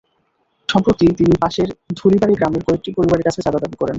সম্প্রতি তিনি পাশের ধুলিবাড়ী গ্রামের কয়েকটি পরিবারের কাছে চাঁদা দাবি করেন।